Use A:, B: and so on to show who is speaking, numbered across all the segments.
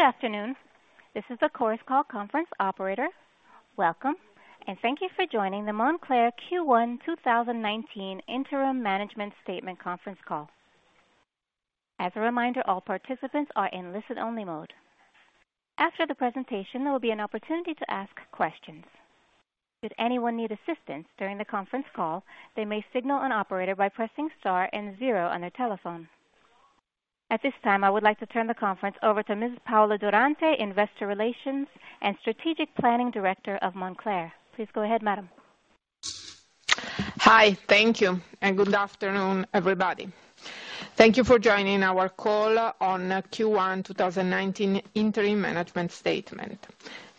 A: Good afternoon. This is the Chorus Call conference operator. Welcome. Thank you for joining the Moncler Q1 2019 Interim Management Statement conference call. As a reminder, all participants are in listen-only mode. After the presentation, there will be an opportunity to ask questions. If anyone needs assistance during the conference call, they may signal an operator by pressing star 0 on their telephone. At this time, I would like to turn the conference over to Ms. Paola Durante, Investor Relations and Strategic Planning Director of Moncler. Please go ahead, madam.
B: Hi. Thank you. Good afternoon, everybody. Thank you for joining our call on Q1 2019 Interim Management Statement.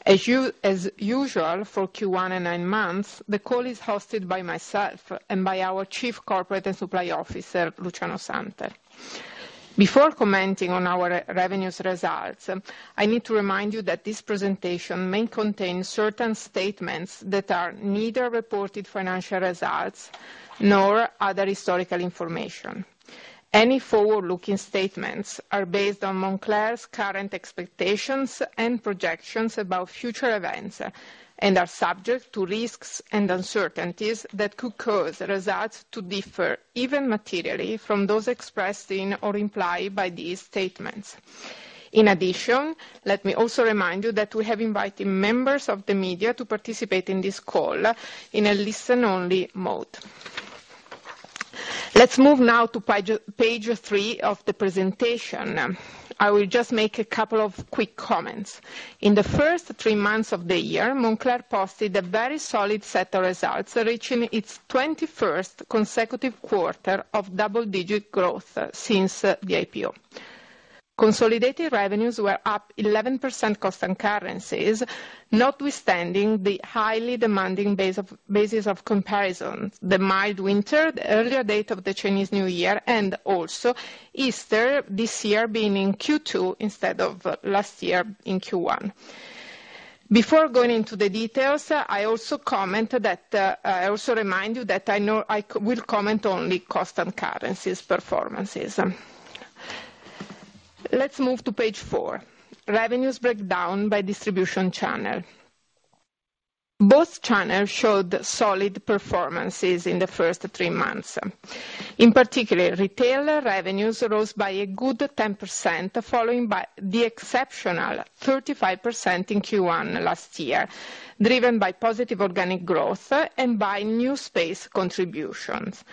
B: As usual for Q1 and nine months, the call is hosted by myself and by our Chief Corporate and Supply Officer, Luciano Santel. Before commenting on our revenues results, I need to remind you that this presentation may contain certain statements that are neither reported financial results nor other historical information. Any forward-looking statements are based on Moncler's current expectations and projections about future events, are subject to risks and uncertainties that could cause results to differ, even materially, from those expressed in or implied by these statements. In addition, let me also remind you that we have invited members of the media to participate in this call in a listen only mode. Let's move now to page three of the presentation. I will just make a couple of quick comments. In the first three months of the year, Moncler posted a very solid set of results, reaching its 21st consecutive quarter of double-digit growth since the IPO. Consolidated revenues were up 11% constant currencies, notwithstanding the highly demanding basis of comparisons, the mild winter, the earlier date of the Chinese New Year, and also Easter this year being in Q2 instead of last year in Q1. Before going into the details, I also remind you that I will comment only constant currencies performances. Let's move to page four, revenues breakdown by distribution channel. Both channels showed solid performances in the first three months. In particular, retail revenues rose by a good 10%, following the exceptional 35% in Q1 last year, driven by positive organic growth and by new space contributions.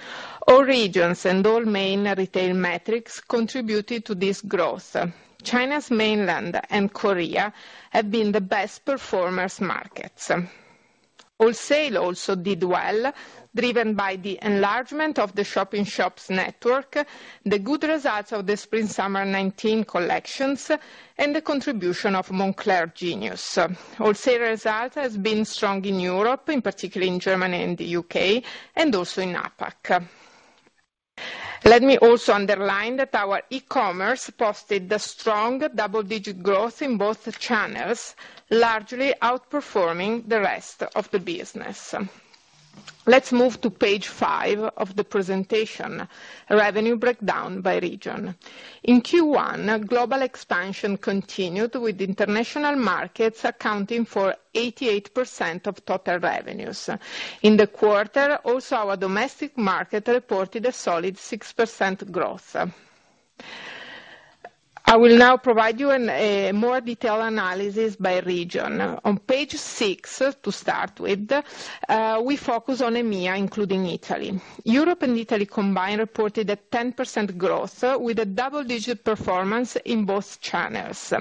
B: All regions and all main retail metrics contributed to this growth. China's Mainland and Korea have been the best performers markets. Wholesale also did well, driven by the enlargement of the shop-in-shops network, the good results of the Spring-Summer '19 collections, and the contribution of Moncler Genius. Wholesale result has been strong in Europe, in particular in Germany and the U.K., and also in APAC. Let me also underline that our e-commerce posted a strong double-digit growth in both channels, largely outperforming the rest of the business. Let's move to page five of the presentation, revenue breakdown by region. In Q1, global expansion continued with international markets accounting for 88% of total revenues. In the quarter, also our domestic market reported a solid 6% growth. I will now provide you a more detailed analysis by region. On page six, to start with, we focus on EMEA, including Italy. Europe and Italy combined reported a 10% growth with a double-digit performance in both channels.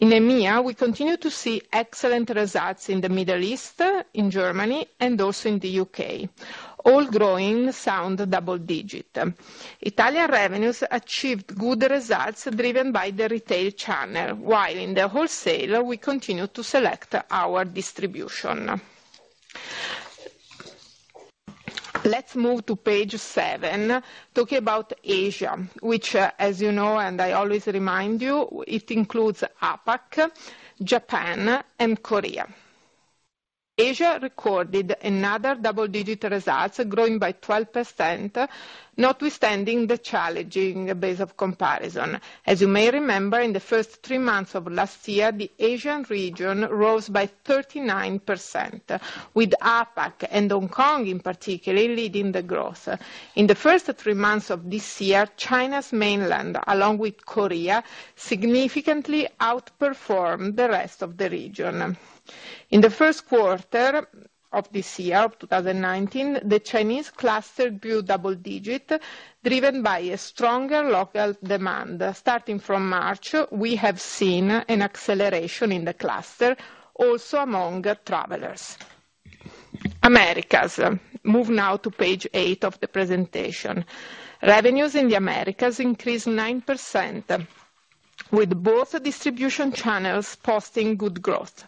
B: In EMEA, we continue to see excellent results in the Middle East, in Germany, and also in the U.K., all growing sound double-digit. Italian revenues achieved good results driven by the retail channel, while in the wholesale, we continue to select our distribution. Let's move to page seven, talking about Asia, which, as you know and I always remind you, it includes APAC, Japan, and Korea. Asia recorded another double-digit results, growing by 12%, notwithstanding the challenging base of comparison. As you may remember, in the first three months of last year, the Asian region rose by 39% with APAC and Hong Kong in particular leading the growth. In the first three months of this year, China's Mainland, along with Korea, significantly outperformed the rest of the region. In the first quarter of this year, of 2019, the Chinese cluster grew double-digit, driven by a stronger local demand. Starting from March, we have seen an acceleration in the cluster, also among travelers. Americas. Move now to page eight of the presentation. Revenues in the Americas increased 9%, with both distribution channels posting good growth.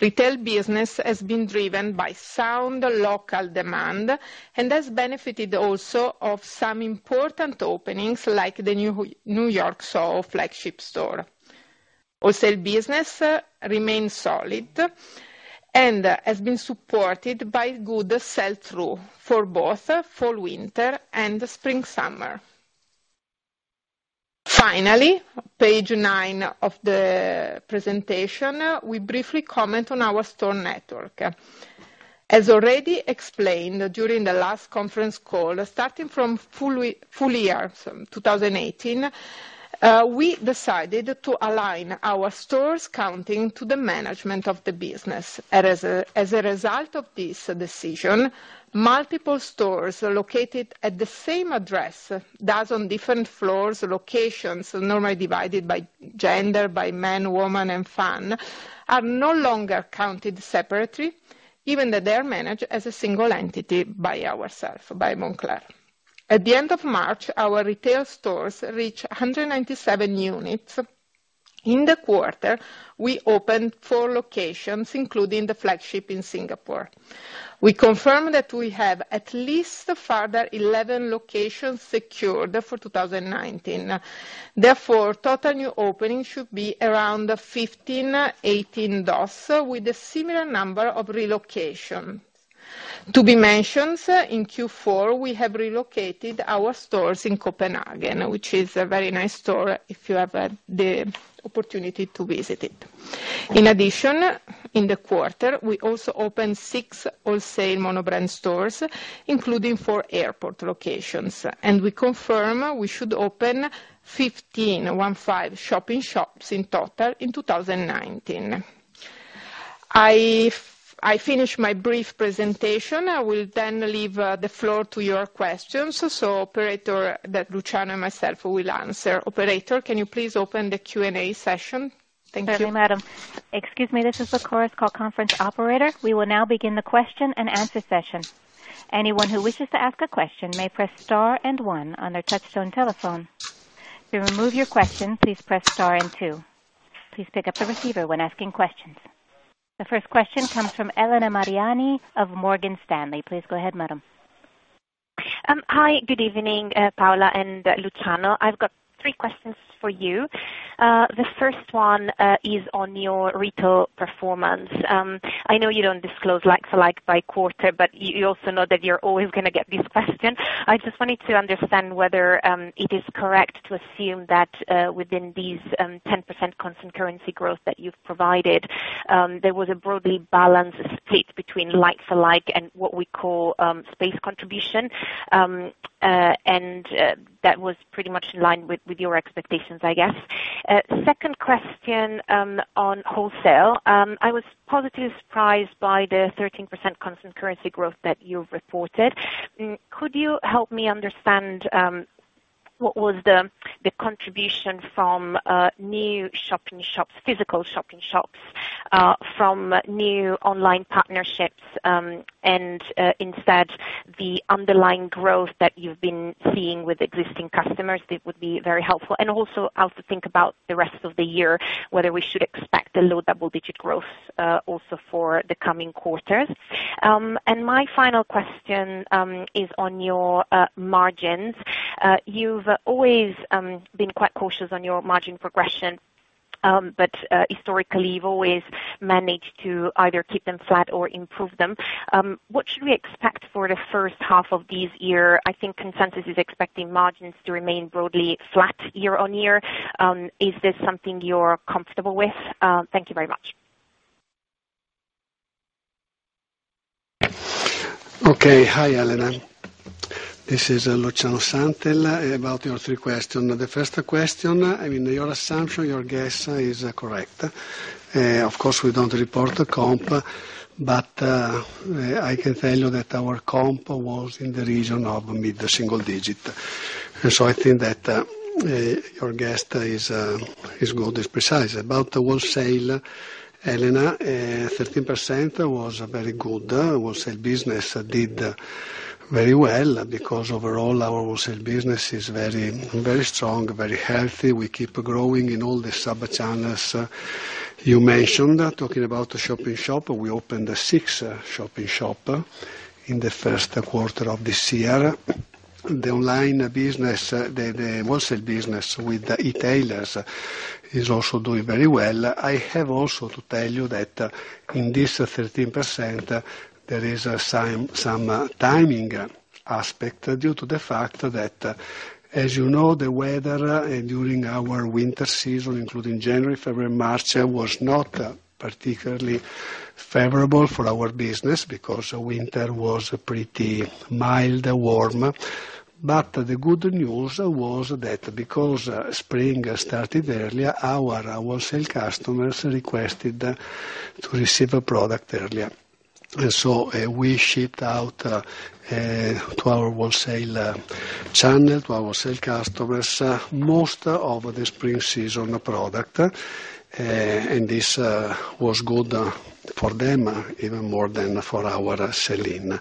B: Retail business has been driven by sound local demand and has benefited also of some important openings like the new New York SoHo flagship store. Wholesale business remains solid and has been supported by good sell-through for both fall/winter and spring/summer. Finally, page nine of the presentation, we briefly comment on our store network. As already explained during the last conference call, starting from full year 2018, we decided to align our stores counting to the management of the business. As a result of this decision, multiple stores are located at the same address, thus on different floors, locations, normally divided by gender, by men, woman, and kids, are no longer counted separately, even though they are managed as a single entity by ourselves, by Moncler. At the end of March, our retail stores reached 197 units. In the quarter, we opened four locations, including the flagship in Singapore. We confirm that we have at least a further 11 locations secured for 2019. Therefore, total new openings should be around 15, 18 doors with a similar number of relocations. To be mentioned, in Q4, we have relocated our stores in Copenhagen, which is a very nice store if you have the opportunity to visit it. In addition, in the quarter, we also opened six wholesale mono-brand stores, including four airport locations. We confirm we should open 15, one five, shop-in-shops in total in 2019. I finish my brief presentation. I will then leave the floor to your questions, operator, that Luciano and myself will answer. Operator, can you please open the Q&A session? Thank you.
A: Certainly, madam. Excuse me, this is the conference call operator. We will now begin the question-and-answer session. Anyone who wishes to ask a question may press star and one on their touchtone telephone. To remove your question, please press star and two. Please pick up the receiver when asking questions. The first question comes from Elena Mariani of Morgan Stanley. Please go ahead, madam.
C: Hi, good evening, Paola and Luciano. I've got three questions for you. The first one is on your retail performance. I know you don't disclose like-for-like by quarter. You also know that you're always going to get this question. I just wanted to understand whether it is correct to assume that within this 10% constant currency growth that you've provided, there was a broadly balanced split between like-for-like and what we call space contribution, and that was pretty much in line with your expectations, I guess. Second question on wholesale. I was positively surprised by the 13% constant currency growth that you've reported. Could you help me understand what was the contribution from new shop-in-shops, physical shop-in-shops, from new online partnerships, and instead the underlying growth that you've been seeing with existing customers? It would be very helpful. Also how to think about the rest of the year, whether we should expect a low double-digit growth, also for the coming quarters. My final question is on your margins. You've always been quite cautious on your margin progression. Historically, you've always managed to either keep them flat or improve them. What should we expect for the first half of this year? I think consensus is expecting margins to remain broadly flat year-on-year. Is this something you're comfortable with? Thank you very much.
D: Okay. Hi, Elena. This is Luciano Santel. About your three questions. The first question, I mean, your assumption, your guess is correct. Of course, we don't report comp. I can tell you that our comp was in the region of mid-single digit. So I think that your guess is good, is precise. About the wholesale, Elena, 13% was very good. Wholesale business did very well because overall, our wholesale business is very strong, very healthy. We keep growing in all the sub-channels you mentioned. Talking about the shop-in-shop, we opened six shop-in-shop in the first quarter of this year. The online business, the wholesale business with e-tailers is also doing very well. I have also to tell you that in this 13%, there is some timing aspect due to the fact that, as you know, the weather during our winter season, including January, February, March, was not particularly favorable for our business because winter was pretty mild, warm. The good news was that because spring started earlier, our wholesale customers requested to receive a product earlier. We shipped out to our wholesale channel, to our wholesale customers, most of the spring season product. This was good for them even more than for our selling.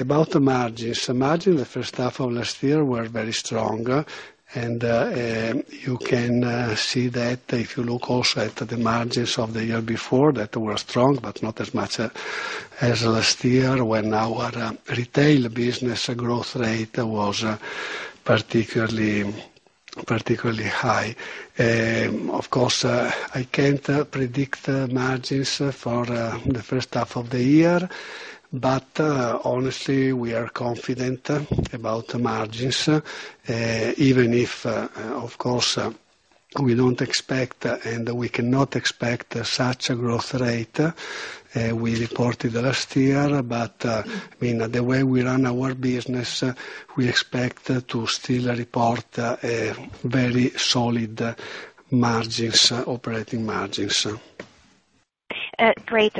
D: About margins. Margins the first half of last year were very strong, and you can see that if you look also at the margins of the year before, that were strong, but not as much as last year when our retail business growth rate was particularly particularly high. Of course, I can't predict margins for the first half of the year, but honestly, we are confident about the margins, even if, of course, we don't expect and we cannot expect such a growth rate we reported last year. The way we run our business, we expect to still report very solid operating margins.
C: Great.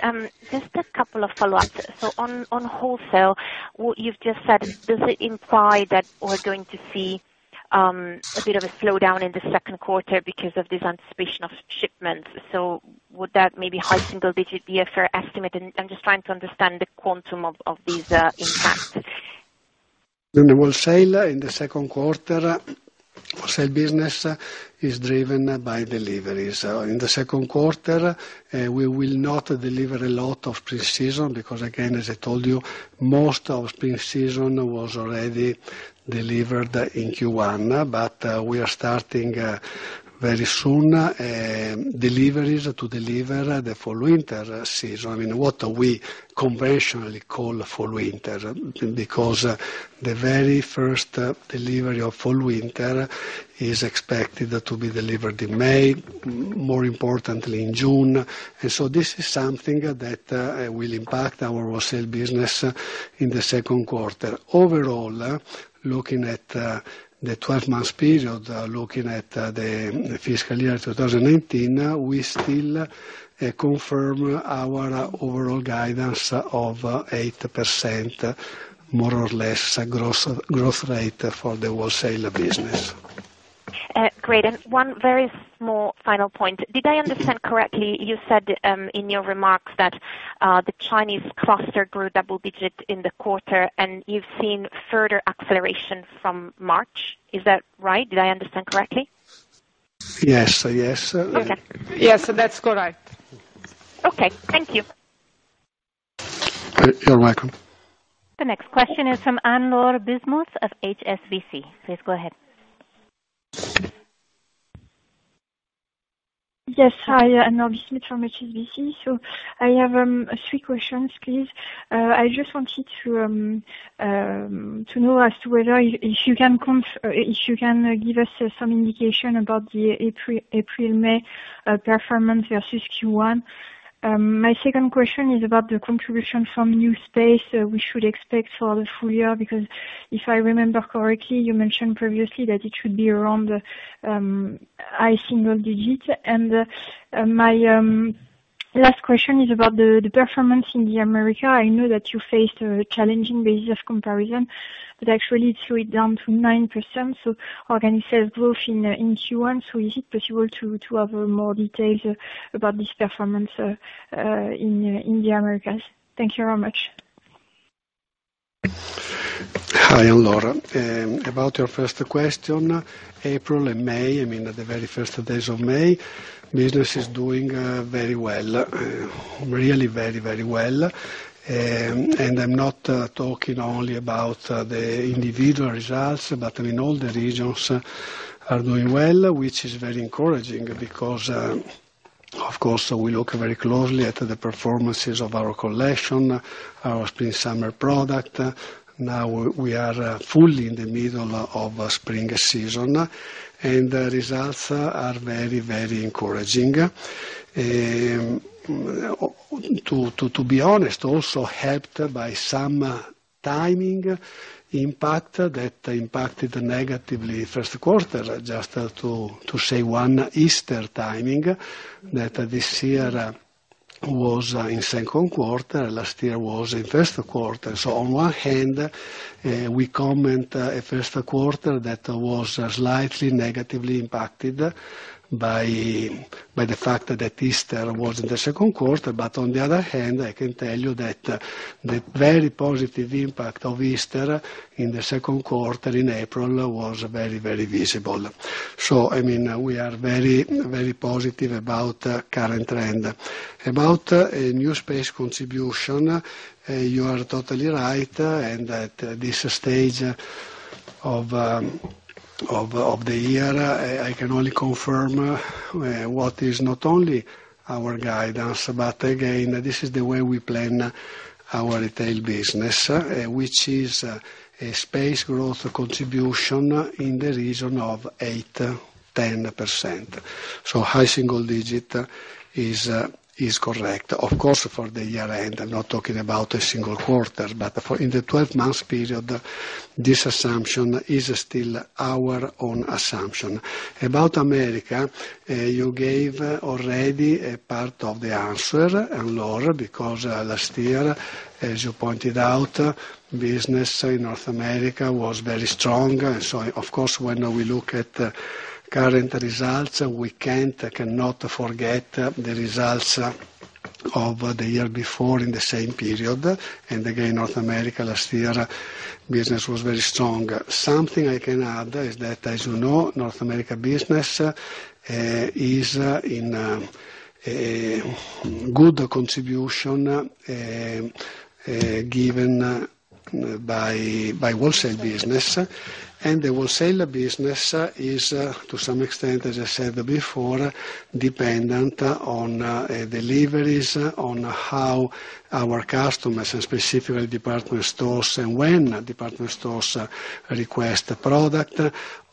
C: Just a couple of follow-ups. On wholesale, what you've just said, does it imply that we're going to see a bit of a slowdown in the second quarter because of this anticipation of shipments? Would that maybe high single digit be a fair estimate? I'm just trying to understand the quantum of these impacts.
D: In the wholesale, in the second quarter, wholesale business is driven by deliveries. In the second quarter, we will not deliver a lot of spring season because, again, as I told you, most of spring season was already delivered in Q1, but we are starting very soon deliveries to deliver the fall/winter season. What we conventionally call fall/winter, because the very first delivery of fall/winter is expected to be delivered in May, more importantly, in June. This is something that will impact our wholesale business in the second quarter. Overall, looking at the 12 months period, looking at the fiscal year 2019, we still confirm our overall guidance of 8%, more or less, growth rate for the wholesale business.
C: Great. One very small final point. Did I understand correctly, you said in your remarks that the Chinese cluster grew double-digit in the quarter, and you've seen further acceleration from March? Is that right? Did I understand correctly?
D: Yes.
C: Okay.
B: Yes, that's correct.
C: Okay. Thank you.
D: You're welcome.
A: The next question is from Anne-Laure Bismuth of HSBC. Please go ahead.
E: Yes. Hi, Anne-Laure Bismuth from HSBC. I have three questions, please. I just wanted to know as to whether if you can give us some indication about the April, May performance versus Q1. My second question is about the contribution from new space we should expect for the full year, because if I remember correctly, you mentioned previously that it should be around high single digits. My last question is about the performance in the America. I know that you faced a challenging basis of comparison, but actually it threw it down to 9%. Organic sales growth in Q1. Is it possible to have more details about this performance in the Americas? Thank you very much.
D: Hi, Anne-Laure. About your first question, April and May, the very first days of May, business is doing very well, really very well. I'm not talking only about the individual results, but in all the regions are doing well, which is very encouraging because, of course, we look very closely at the performances of our collection, our Spring-Summer product. Now we are fully in the middle of spring season, the results are very encouraging. To be honest, also helped by some timing impact that impacted negatively first quarter, just to say one Easter timing that this year was in second quarter, last year was in first quarter. On one hand, we comment a first quarter that was slightly negatively impacted by the fact that Easter was in the second quarter. On the other hand, I can tell you that the very positive impact of Easter in the second quarter in April was very, very visible. We are very positive about current trend. About a new space contribution, you are totally right, at this stage of the year, I can only confirm what is not only our guidance, but again, this is the way we plan our retail business, which is a space growth contribution in the region of 8%-10%. High single digit is correct. Of course, for the year end, I'm not talking about a single quarter, but in the 12 months period, this assumption is still our own assumption. About America, you gave already a part of the answer, Anne-Laure, because last year, as you pointed out, business in North America was very strong. Of course, when we look at current results, we cannot forget the results of the year before in the same period. North America last year, business was very strong. Something I can add is that, as you know, North America business is in good contribution given by wholesale business. The wholesale business is to some extent, as I said before, dependent on deliveries, on how our customers, specifically department stores, and when department stores request product.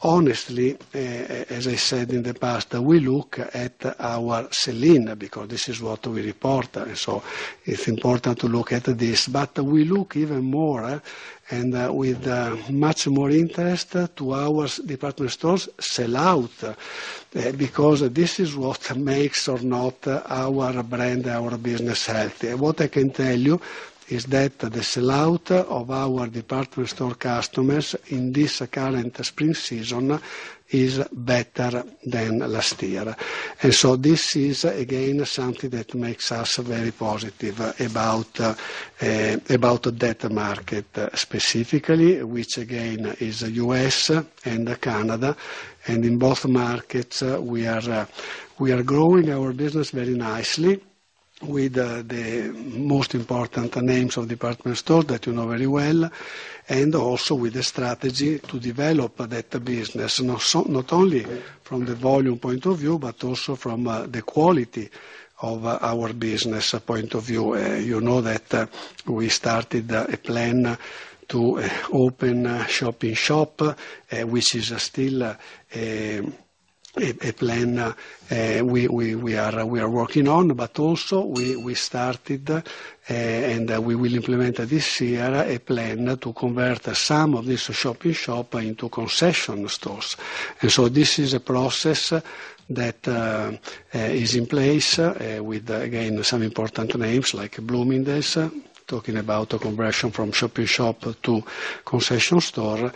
D: Honestly, as I said in the past, we look at our selling because this is what we report, and so it's important to look at this. We look even more and with much more interest to our department stores sell out, because this is what makes or not our brand, our business healthy. What I can tell you is that the sell out of our department store customers in this current spring season is better than last year. This is again, something that makes us very positive about that market specifically, which again, is U.S. and Canada. In both markets, we are growing our business very nicely with the most important names of department stores that you know very well, and also with the strategy to develop that business, not only from the volume point of view, but also from the quality of our business point of view. You know that we started a plan to open a shop-in-shop, which is still a plan we are working on. Also we started, and we will implement this year, a plan to convert some of this shop-in-shop into concession stores. This is a process that is in place with, again, some important names like Bloomingdale's, talking about a conversion from shop-in-shop to concession store.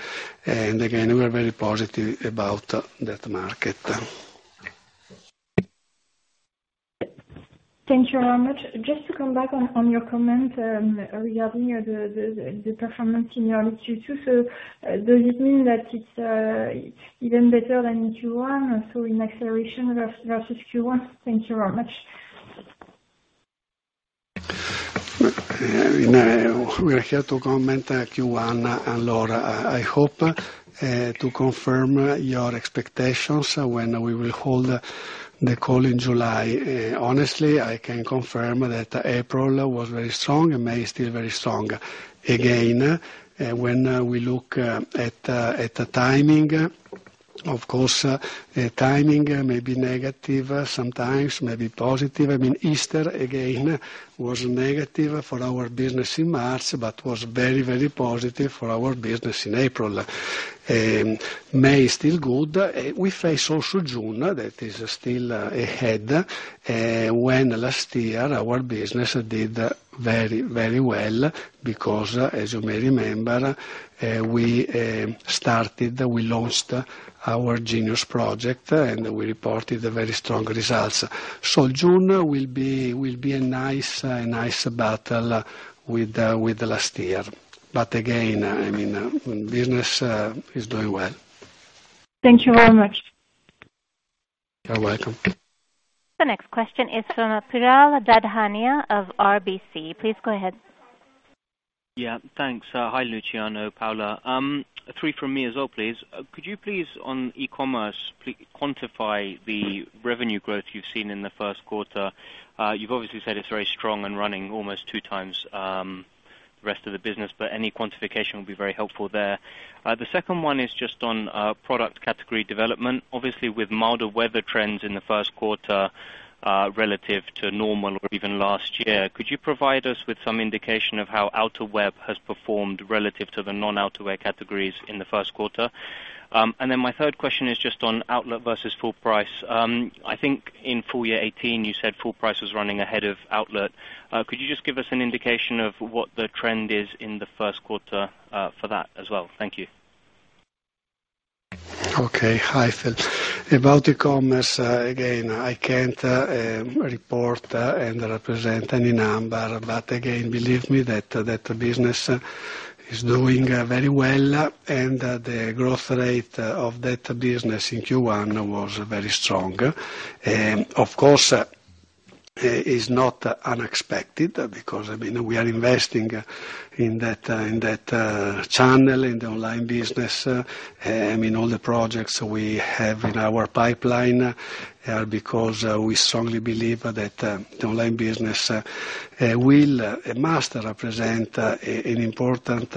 D: We're very positive about that market.
E: Thank you very much. Just to come back on your comment regarding the performance in Q2. Does it mean that it's even better than in Q1, so in acceleration versus Q1? Thank you very much.
D: We are here to comment Q1, Anne-Laure. I hope to confirm your expectations when we will hold the call in July. Honestly, I can confirm that April was very strong and May is still very strong. Again, when we look at the timing, of course, timing may be negative sometimes, maybe positive. I mean, Easter again, was negative for our business in March, but was very positive for our business in April. May is still good. We face also June, that is still ahead, when last year our business did very well because, as you may remember, we started, we launched our Genius project, and we reported very strong results. June will be a nice battle with last year. Again, business is doing well.
E: Thank you very much.
D: You're welcome.
A: The next question is from Piral Dadhania of RBC. Please go ahead.
F: Yeah. Thanks. Hi, Luciano, Paola. Three from me as well, please. Could you please, on e-commerce, quantify the revenue growth you've seen in the first quarter? You've obviously said it's very strong and running almost 2 times the rest of the business, any quantification will be very helpful there. The second one is just on product category development. Obviously, with milder weather trends in the first quarter, relative to normal or even last year, could you provide us with some indication of how outerwear has performed relative to the non-outerwear categories in the first quarter? My third question is just on outlet versus full price. I think in full year 2018, you said full price was running ahead of outlet. Could you just give us an indication of what the trend is in the first quarter for that as well? Thank you.
D: Okay. Hi, Piral. About e-commerce, again, I can't report and represent any number. Again, believe me that that business is doing very well and the growth rate of that business in Q1 was very strong. Of course, it's not unexpected because we are investing in that channel, in the online business, in all the projects we have in our pipeline, because we strongly believe that the online business will and must represent an important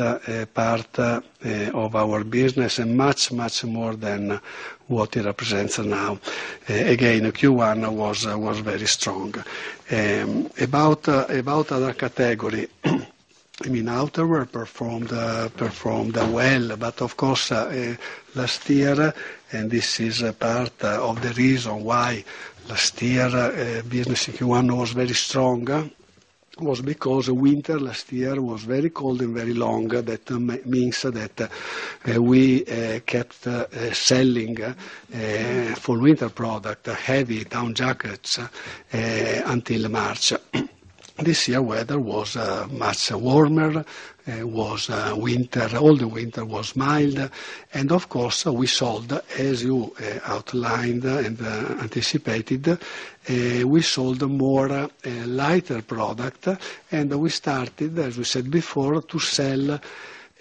D: part of our business and much more than what it represents now. Again, Q1 was very strong. About other category, outerwear performed well, of course, last year, and this is a part of the reason why last year business in Q1 was very strong, was because winter last year was very cold and very long. That means that we kept selling for winter product, heavy down jackets, until March. This year, weather was much warmer. All the winter was mild. Of course, as you outlined and anticipated, we sold more lighter product, and we started, as we said before, to sell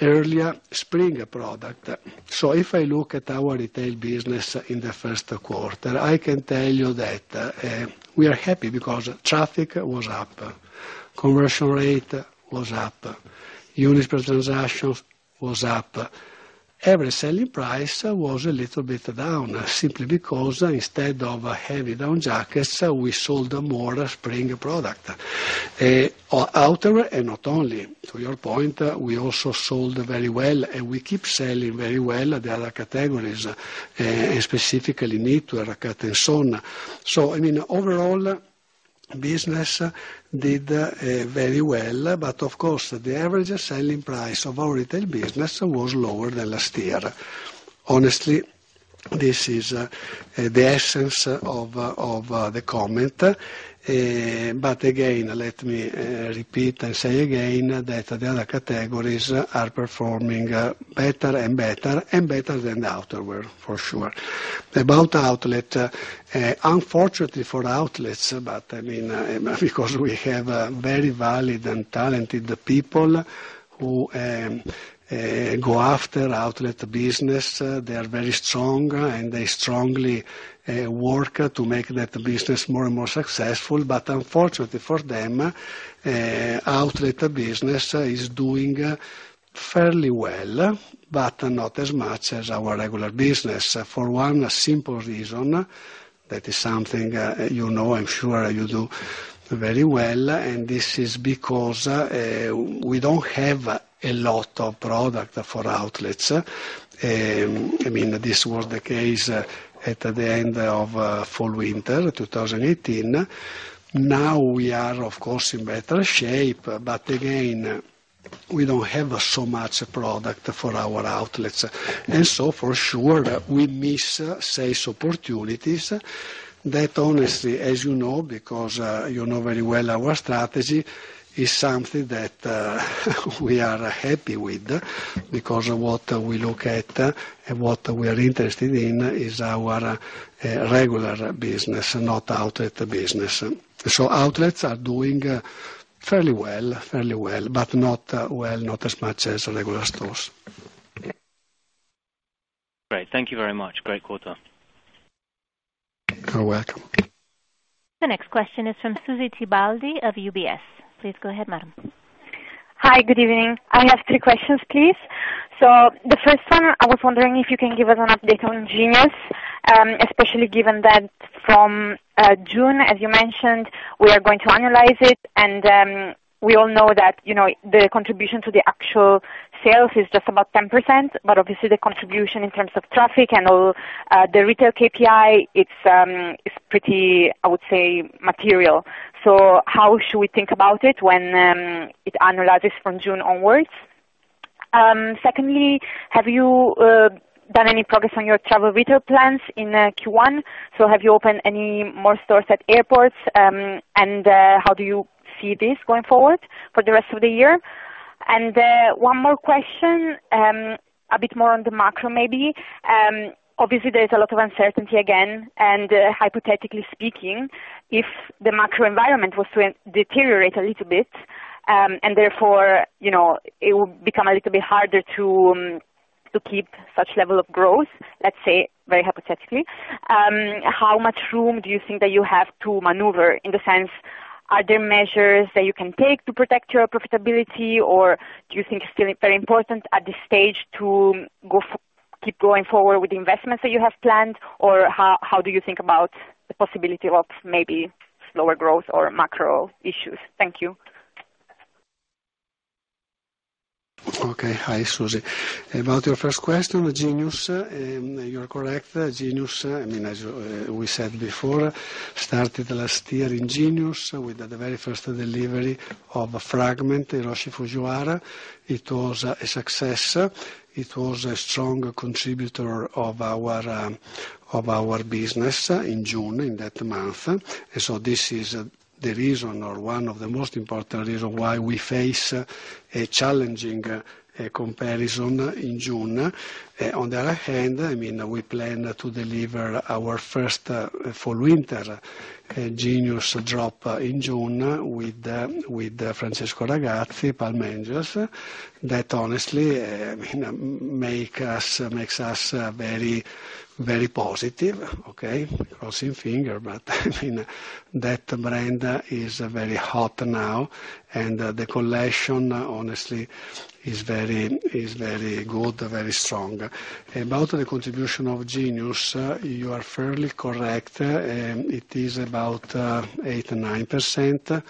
D: earlier spring product. If I look at our retail business in the first quarter, I can tell you that we are happy because traffic was up, conversion rate was up, units per transaction was up. Average selling price was a little bit down, simply because instead of heavy down jackets, we sold more spring product. Outer, and not only. To your point, we also sold very well, and we keep selling very well the other categories, specifically knitwear, cut and sew. Overall, business did very well, of course, the average selling price of our retail business was lower than last year. Honestly, this is the essence of the comment. Again, let me repeat and say again that the other categories are performing better and better, and better than outerwear for sure. About outlet, unfortunately for outlets, because we have very valid and talented people who go after outlet business. They are very strong and they strongly work to make that business more and more successful. Unfortunately for them, outlet business is doing fairly well, not as much as our regular business. For one simple reason, that is something you know, I'm sure you do very well, and this is because we don't have a lot of product for outlets. This was the case at the end of fall/winter 2018. Now we are, of course, in better shape. Again, we don't have so much product for our outlets. For sure, we miss sales opportunities that honestly, as you know, because you know very well our strategy, is something that we are happy with because what we look at and what we are interested in is our regular business, not outlet business. Outlets are doing fairly well, but not as much as regular stores.
F: Great. Thank you very much. Great quarter.
D: You're welcome.
A: The next question is from Susy Tibaldi of UBS. Please go ahead, madam.
G: Hi. Good evening. I have three questions, please. The first one, I was wondering if you can give us an update on Genius. Especially given that from June, as you mentioned, we are going to annualize it, and we all know that the contribution to the actual sales is just about 10%, but obviously the contribution in terms of traffic and all the retail KPI, it's pretty, I would say material. How should we think about it when it annualizes from June onwards? Secondly, have you done any progress on your travel retail plans in Q1? Have you opened any more stores at airports? How do you see this going forward for the rest of the year? One more question, a bit more on the macro maybe. Obviously there is a lot of uncertainty again, and hypothetically speaking, if the macro environment was to deteriorate a little bit, and therefore it would become a little bit harder to keep such level of growth, let's say very hypothetically, how much room do you think that you have to maneuver in the sense, are there measures that you can take to protect your profitability, or do you think it's very important at this stage to keep going forward with the investments that you have planned? How do you think about the possibility of maybe slower growth or macro issues? Thank you.
D: Okay. Hi, Susy. About your first question, Genius, you're correct. Genius, as we said before, started last year in Genius with the very first delivery of Fragment and Hiroshi Fujiwara. It was a success. It was a strong contributor of our business in June, in that month. This is the reason, or one of the most important reasons why we face a challenging comparison in June. On the other hand, we plan to deliver our first fall/winter Genius drop in June with Francesco Ragazzi, Palm Angels. That honestly makes us very positive. Okay, crossing fingers, but that brand is very hot now and the collection, honestly is very good, very strong. About the contribution of Genius, you are fairly correct. It is about 8%-9%.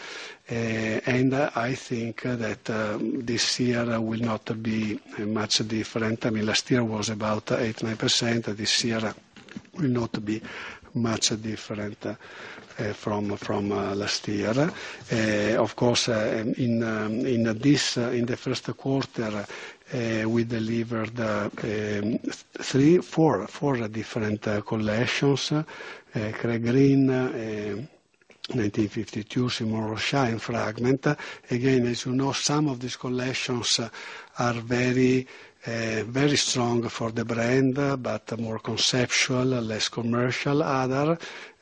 D: I think that this year will not be much different. Last year was about 8%-9%. This year will not be much different from last year. Of course, in the first quarter, we delivered four different collections. Craig Green-1952, Simone Rocha, and Fragment. Again, as you know, some of these collections are very strong for the brand, but more conceptual, less commercial. Other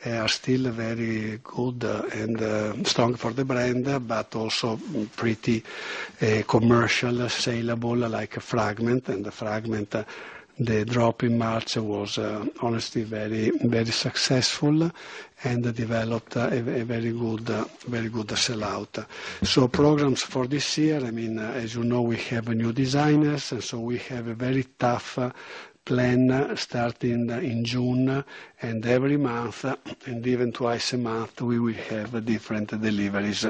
D: are still very good and strong for the brand, but also pretty commercial, saleable, like Fragment. Fragment, the drop in March was honestly very successful and developed a very good sellout. Programs for this year, as you know, we have new designers, we have a very tough plan starting in June. Every month, and even twice a month, we will have different deliveries.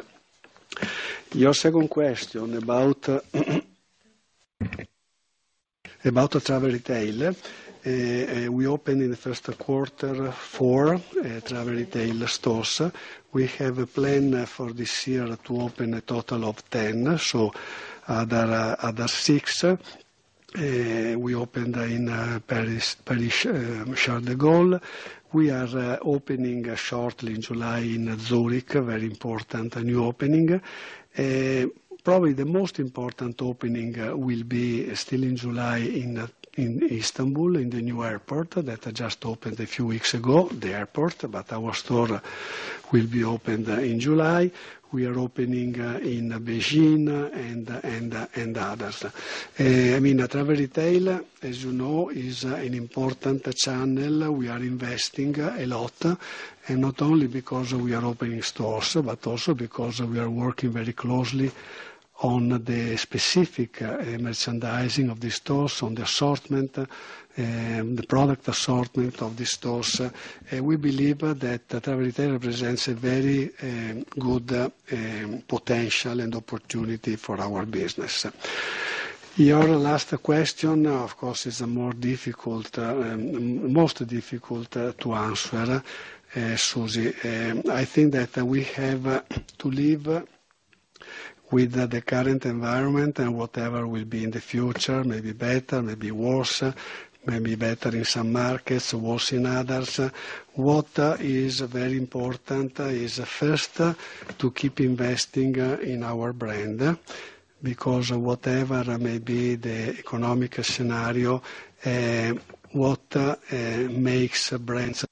D: Your second question about travel retail. We opened in the first quarter, four travel retail stores. We have a plan for this year to open a total of 10, so other six. We opened in Paris, Charles de Gaulle. We are opening shortly in July in Zurich, very important new opening. Probably the most important opening will be still in July in Istanbul, in the new airport that just opened a few weeks ago, the airport, but our store will be opened in July. We are opening in Beijing and others. Travel retail, as you know, is an important channel. We are investing a lot, not only because we are opening stores, but also because we are working very closely on the specific merchandising of these stores, on the assortment, the product assortment of these stores. We believe that travel retail represents a very good potential and opportunity for our business. Your last question, of course, is most difficult to answer, Susy. I think that we have to live with the current environment and whatever will be in the future, maybe better, maybe worse, maybe better in some markets, worse in others. What is very important is, first, to keep investing in our brand, because whatever may be the economic scenario, what makes brands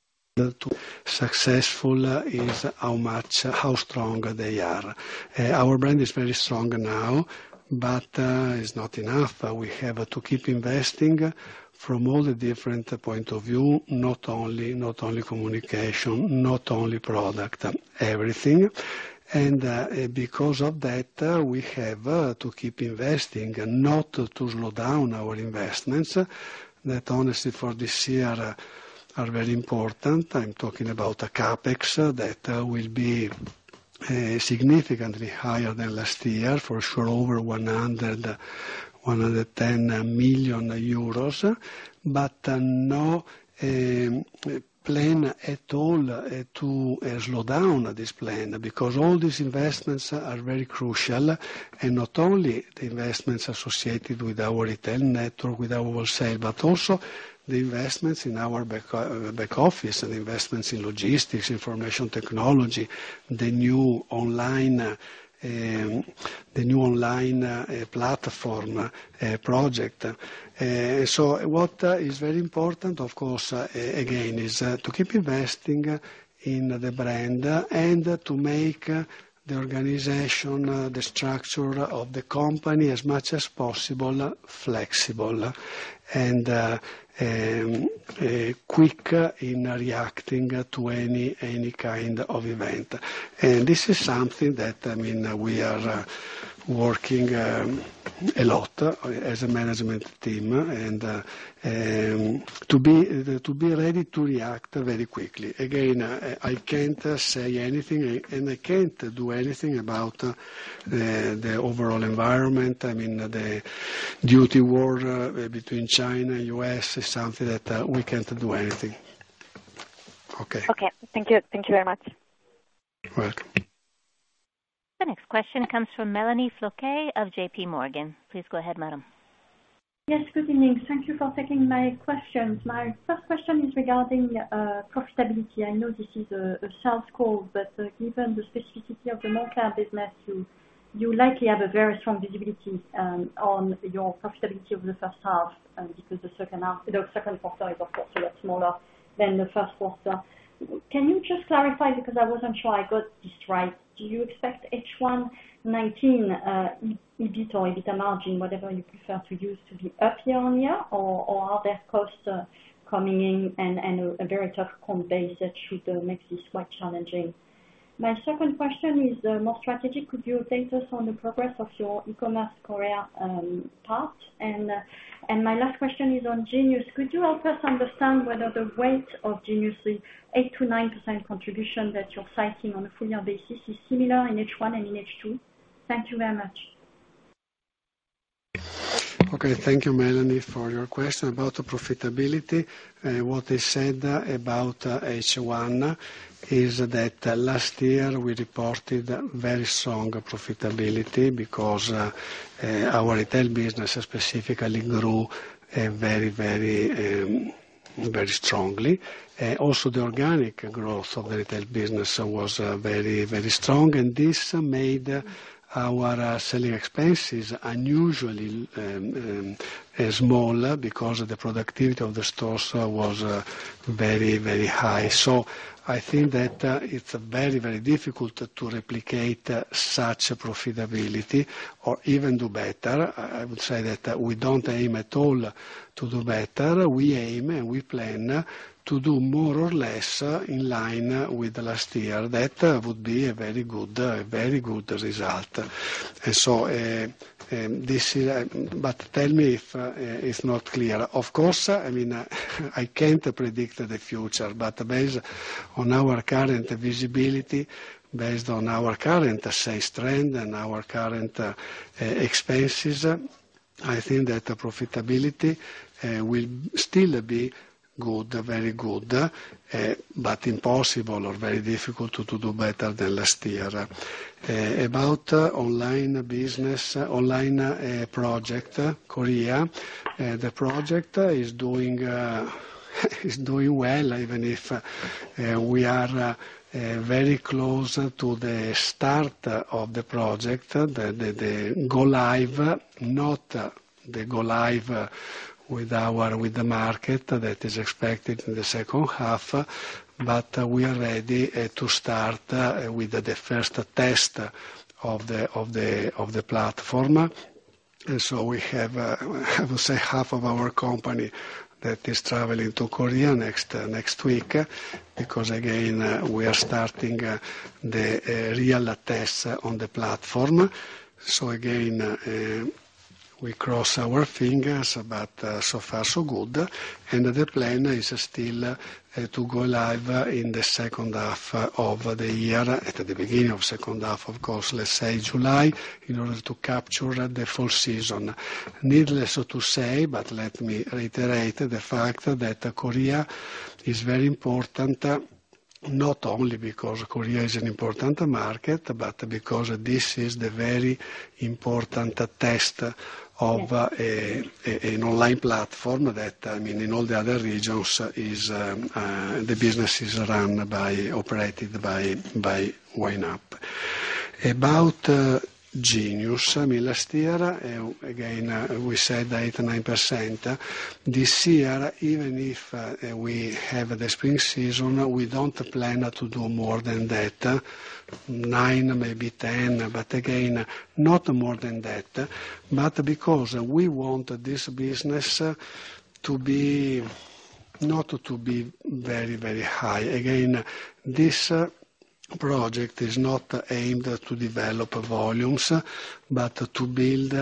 D: successful is how strong they are. Our brand is very strong now, but it's not enough. We have to keep investing from all the different point of view, not only communication, not only product, everything. Because of that, we have to keep investing, not to slow down our investments. That honestly, for this year, are very important. I'm talking about the CapEx that will be significantly higher than last year, for sure over 110 million euros, but no plan at all to slow down this plan, because all these investments are very crucial. Not only the investments associated with our retail network, with our wholesale, but also the investments in our back office and investments in logistics, information technology, the new online platform project. What is very important, of course, again, is to keep investing in the brand and to make the organization, the structure of the company as much as possible, flexible and quick in reacting to any kind of event. This is something that we are working a lot as a management team and to be ready to react very quickly. Again, I can't say anything, and I can't do anything about the overall environment. The duty war between China and U.S. is something that we can't do anything. Okay.
G: Okay. Thank you very much.
D: Welcome.
A: The next question comes from Melanie Flouquet of J.P. Morgan. Please go ahead, madam.
H: Yes, good evening. Thank you for taking my questions. My first question is regarding profitability. I know this is a sales call, but given the specificity of the Moncler business, you likely have a very strong visibility on your profitability of the first half, because the second quarter is of course a lot smaller than the first quarter. Can you just clarify, because I wasn't sure I got this right. Do you expect H1 2019 EBIT or EBIT margin, whatever you prefer to use, to be up year-on-year, or are there costs coming in and a very tough comp base that should make this quite challenging? My second question is more strategic. Could you update us on the progress of your e-commerce Korea path? My last question is on Genius. Could you help us understand whether the weight of Genius, the 8%-9% contribution that you're citing on a full year basis, is similar in H1 and in H2? Thank you very much.
D: Okay. Thank you, Melanie, for your question about profitability. What I said about H1 is that last year we reported very strong profitability because our retail business specifically grew very strongly. Also, the organic growth of the retail business was very strong, and this made our selling expenses unusually small because the productivity of the stores was very high. I think that it's very difficult to replicate such profitability or even do better. I would say that we don't aim at all to do better. We aim, and we plan to do more or less in line with last year. That would be a very good result. Tell me if it's not clear. I can't predict the future, but based on our current visibility, based on our current sales trend and our current expenses, I think that profitability will still be very good, but impossible or very difficult to do better than last year. About online business, online project, Korea. The project is doing well, even if we are very close to the start of the project, the go live. Not the go live with the market that is expected in the second half, but we are ready to start with the first test of the platform. We have, I would say half of our company that is traveling to Korea next week because, again, we are starting the real test on the platform. We cross our fingers, but so far so good. The plan is still to go live in the second half of the year at the beginning of second half, of course, let's say July, in order to capture the full season. Needless to say, but let me reiterate the fact that Korea is very important, not only because Korea is an important market, but because this is the very important test of an online platform that in all the other regions, the business is operated by YNAP. About Genius last year, again, we said 8%-9%. This year, even if we have the spring season, we don't plan to do more than that, 9, maybe 10, but again, not more than that. Because we want this business to not to be very high. This project is not aimed to develop volumes, but to build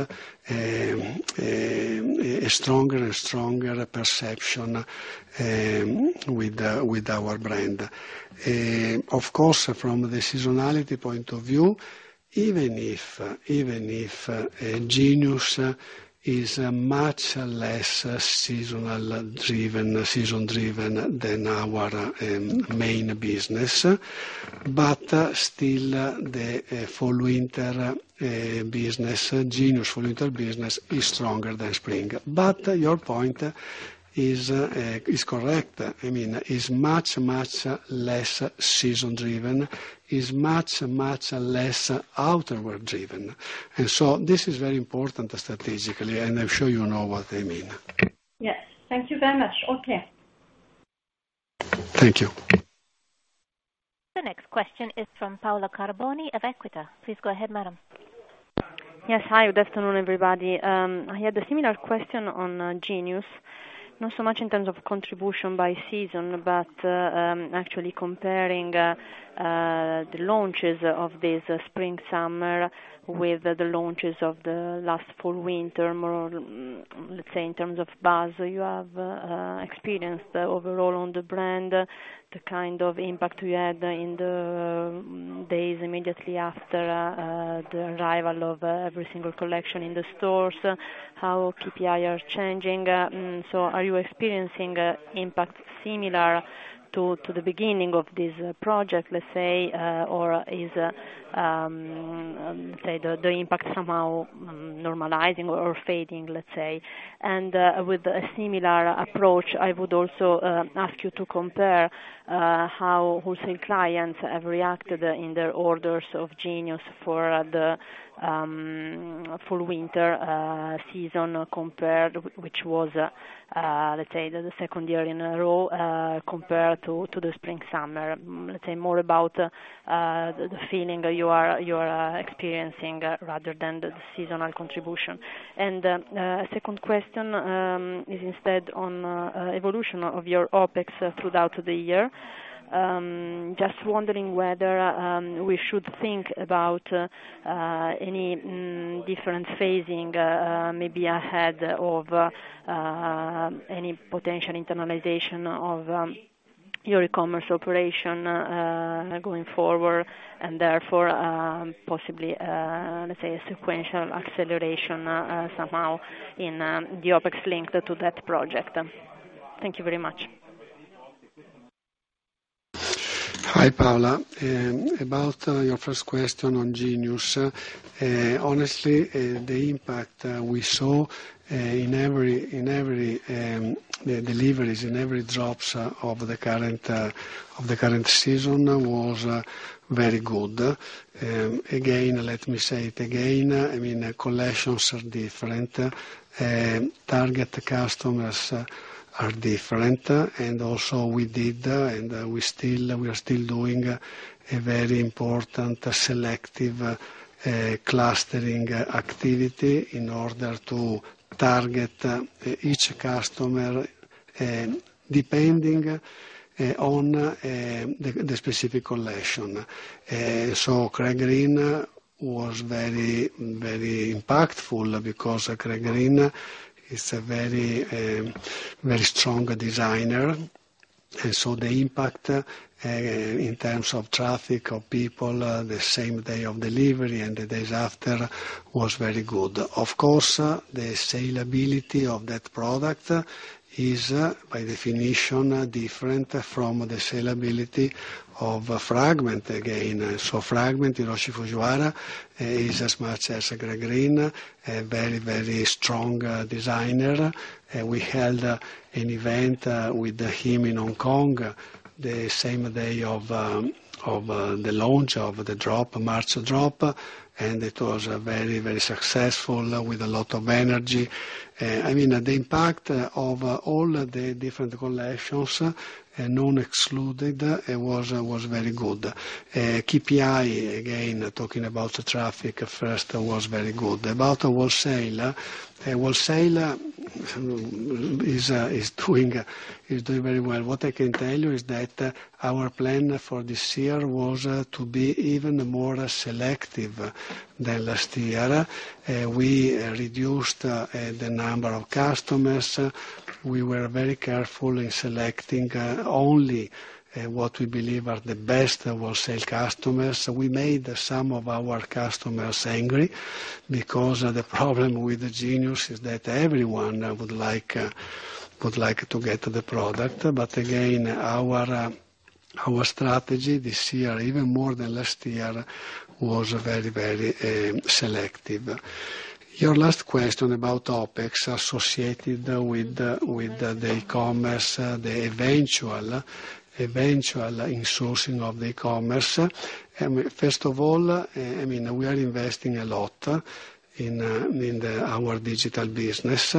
D: a stronger and stronger perception with our brand. Of course, from the seasonality point of view, even if Genius is much less season-driven than our main business. Still Genius fall-winter business is stronger than spring. Your point is correct. It's much less season-driven, is much less outerwear-driven. This is very important strategically, and I'm sure you know what I mean.
H: Yes. Thank you very much. Okay.
D: Thank you.
A: The next question is from Paola Carboni of Equita. Please go ahead, madam.
I: Yes. Hi, good afternoon, everybody. I had a similar question on Genius, not so much in terms of contribution by season, but actually comparing the launches of this Spring/Summer with the launches of the last Fall/Winter, or let's say in terms of buzz you have experienced overall on the brand, the kind of impact you had in the days immediately after the arrival of every single collection in the stores, how KPI are changing. Are you experiencing impact similar to the beginning of this project, let's say, or is the impact somehow normalizing or fading, let's say? With a similar approach, I would also ask you to compare how wholesale clients have reacted in their orders of Genius for the Fall/Winter season, which was, let's say the second year in a row compared to the Spring/Summer. Let's say more about the feeling you are experiencing rather than the seasonal contribution. A second question is instead on evolution of your OpEx throughout the year. Just wondering whether we should think about any different phasing maybe ahead of any potential internalization of your e-commerce operation going forward and therefore possibly, let's say, a sequential acceleration somehow in the OpEx linked to that project. Thank you very much.
D: Hi, Paola. About your first question on Moncler Genius. Honestly, the impact we saw in every deliveries, in every drops of the current season was very good. Let me say it again, collections are different. Target customers are different. Also we did, and we are still doing a very important selective clustering activity in order to target each customer, depending on the specific collection. Craig Green was very impactful because Craig Green is a very strong designer. The impact in terms of traffic of people the same day of delivery and the days after was very good. Of course, the saleability of that product is, by definition, different from the saleability of Fragment again. Fragment, Hiroshi Fujiwara, is as much as Craig Green, a very strong designer. We held an event with him in Hong Kong the same day of the launch of the March drop, and it was very successful with a lot of energy. The impact of all the different collections, none excluded, was very good. KPI, again, talking about traffic first, was very good. About wholesaler is doing very well. What I can tell you is that our plan for this year was to be even more selective than last year. We reduced the number of customers. We were very careful in selecting only what we believe are the best wholesale customers. We made some of our customers angry, because the problem with Moncler Genius is that everyone would like to get the product. Again, our strategy this year, even more than last year, was very selective. Your last question about OpEx associated with the e-commerce, the eventual insourcing of the e-commerce. First of all, we are investing a lot in our digital business,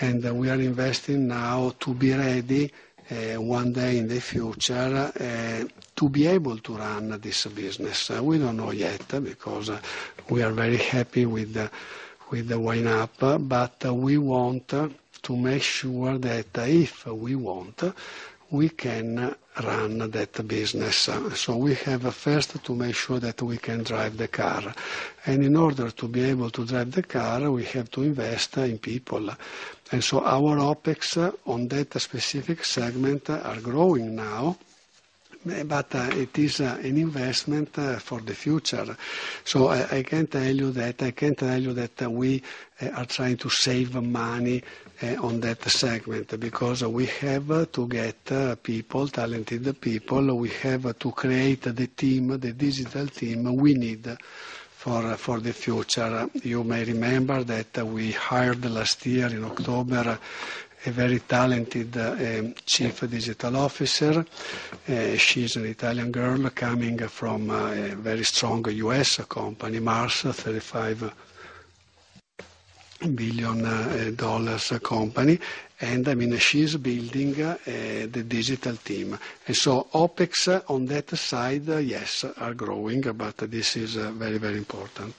D: and we are investing now to be ready one day in the future to be able to run this business. We don't know yet because we are very happy with the YNAP, but we want to make sure that if we want, we can run that business. We have first to make sure that we can drive the car. In order to be able to drive the car, we have to invest in people. Our OpEx on that specific segment are growing now, but it is an investment for the future. I can tell you that we are trying to save money on that segment because we have to get talented people. We have to create the digital team we need for the future. You may remember that we hired last year in October, a very talented Chief Digital Officer. She's an Italian girl coming from a very strong U.S. company, Mars, a $35 billion company. She's building the digital team. OpEx on that side, yes, are growing, but this is very important.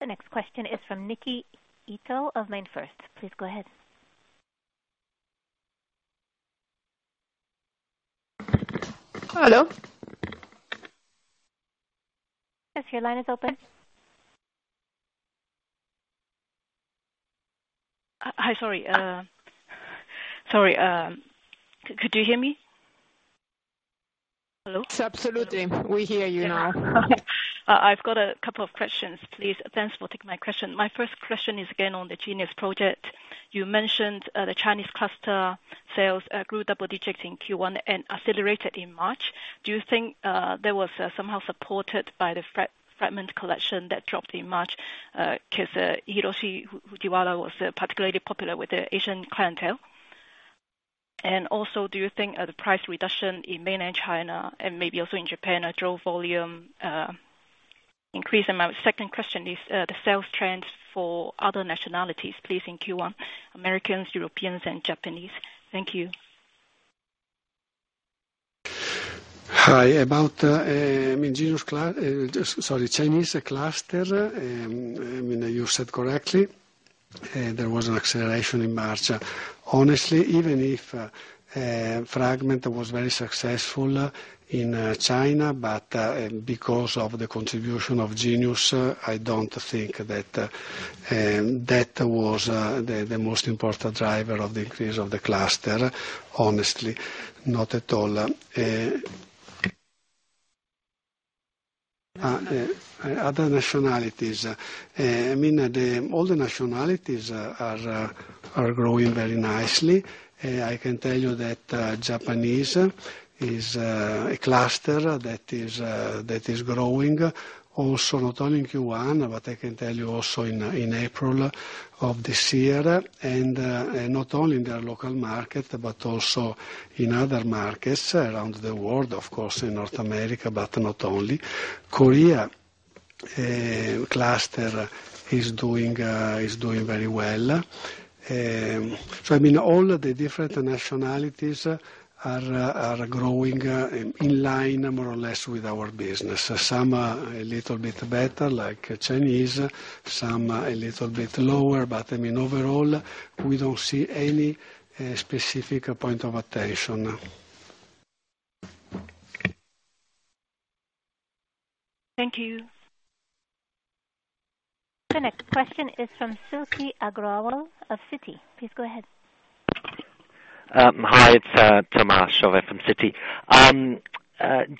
A: The next question is from Niki Ito of Mindfirst. Please go ahead.
J: Hello?
A: Yes, your line is open.
J: Hi. Sorry. Could you hear me? Hello?
B: Absolutely. We hear you now.
J: I've got a couple of questions, please. Thanks for taking my question. My first question is, again, on the Genius project. You mentioned the Chinese cluster sales grew double digits in Q1 and accelerated in March. Do you think that was somehow supported by the Fragment collection that dropped in March? Because Hiroshi Fujiwara was particularly popular with the Asian clientele. Also, do you think the price reduction in mainland China and maybe also in Japan drove volume increase? My second question is the sales trends for other nationalities, please, in Q1, Americans, Europeans, and Japanese. Thank you.
D: Hi. About Chinese cluster, you said correctly, there was an acceleration in March. Honestly, even if Fragment was very successful in China, because of the contribution of Genius, I don't think that was the most important driver of the increase of the cluster. Honestly, not at all. Other nationalities. All the nationalities are growing very nicely. I can tell you that Japanese is a cluster that is growing also, not only in Q1, but I can tell you also in April of this year. Not only in their local market, but also in other markets around the world, of course, in North America, but not only. Korea cluster is doing very well. All of the different nationalities are growing in line more or less with our business. Some a little bit better, like Chinese, some a little bit lower. Overall, we don't see any specific point of attention.
J: Thank you.
A: The next question is from Silke Aggrawal of Citi. Please go ahead.
K: Hi, it's Thomas Chauvet from Citi.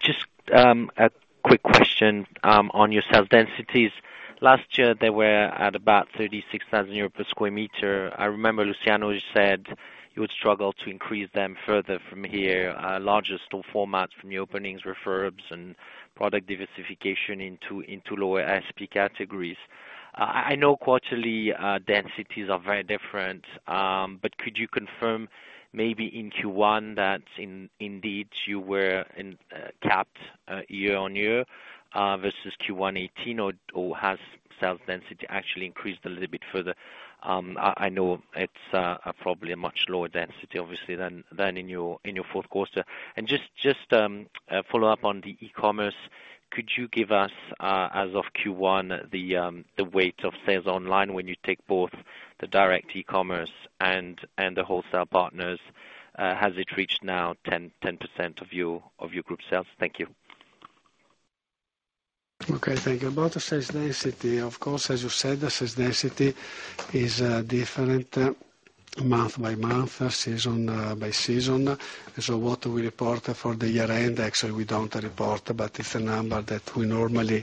K: Just a quick question on your sales densities. Last year, they were at about 36,000 euros per sq m. I remember Luciano said you would struggle to increase them further from here. Larger store formats from new openings, refurbs, and product diversification into lower ASP categories. I know quarterly densities are very different, but could you confirm maybe in Q1 that indeed you were capped year-over-year versus Q1 2018, or has sales density actually increased a little bit further? I know it's probably a much lower density obviously than in your fourth quarter. Just follow up on the e-commerce. Could you give us, as of Q1, the weight of sales online when you take both the direct e-commerce and the wholesale partners? Has it reached now 10% of your group sales? Thank you.
D: Okay, thank you. About sales density, of course, as you said, the sales density is different month by month, season by season. What we report for the year end, actually we don't report, but it's a number that we normally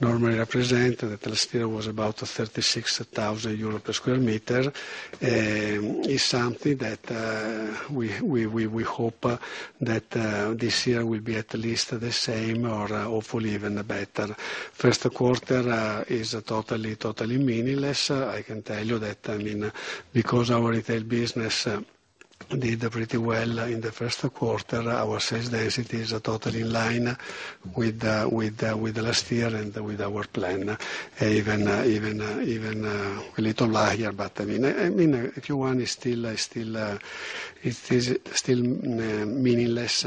D: represent, that last year was about 36,000 euros per sq m. It's something that we hope that this year will be at least the same or hopefully even better. First quarter is totally meaningless. I can tell you that because our retail business did pretty well in the first quarter, our sales density is totally in line with last year and with our plan. Even a little higher. Q1 it is still meaningless.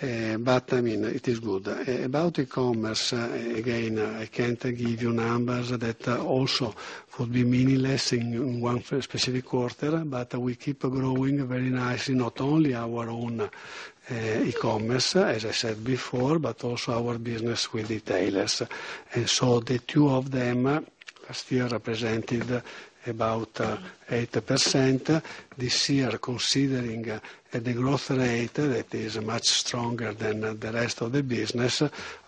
D: It is good. About e-commerce, again, I can't give you numbers that also could be meaningless in one specific quarter. We keep growing very nicely, not only our own e-commerce, as I said before, but also our business with retailers. The two of them last year represented about 8%. This year, considering the growth rate that is much stronger than the rest of the business,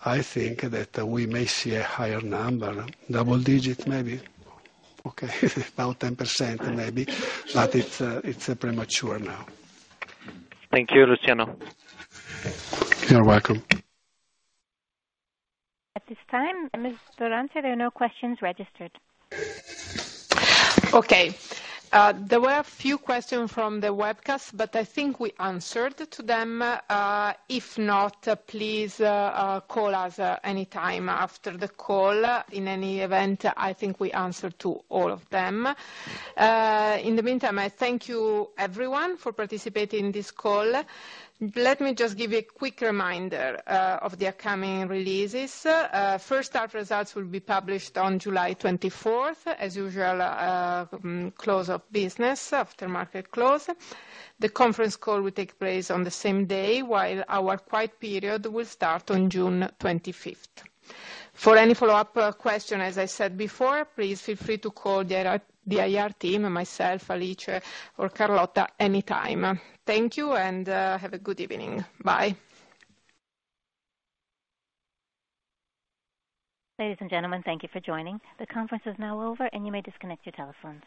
D: I think that we may see a higher number. Double digit maybe. Okay, about 10% maybe, it's premature now.
K: Thank you, Luciano.
D: You're welcome.
A: At this time, Ms. Durante, there are no questions registered.
B: Okay. There were a few questions from the webcast, but I think we answered to them. If not, please call us anytime after the call. In any event, I think we answered to all of them. In the meantime, I thank you everyone for participating in this call. Let me just give you a quick reminder of the upcoming releases. First half results will be published on July 24th, as usual, close of business, after market close. The conference call will take place on the same day, while our quiet period will start on June 25th. For any follow-up question, as I said before, please feel free to call the IR team, myself, Alice, or Carlotta anytime. Thank you, and have a good evening. Bye.
A: Ladies and gentlemen, thank you for joining. The conference is now over, and you may disconnect your telephones.